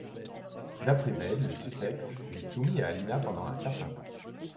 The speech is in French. D'après Bède, le Sussex fut soumis à Ina pendant un certain temps.